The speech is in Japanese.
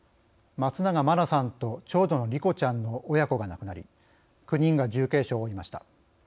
松永真菜さんと長女の莉子ちゃんの親子が亡くなり９人が重軽傷を負いました。